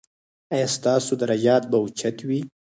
ایا ستاسو درجات به اوچت وي؟